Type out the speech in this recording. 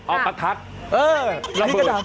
เอ้อพิสูจน์ระเบิด